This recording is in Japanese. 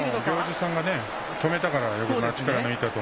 行司さんが止めたから。